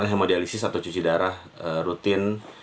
hemodialisis atau cuci darah rutin